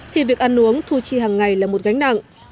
thì việc ăn uống thu chi hàng ngày là một gánh nặng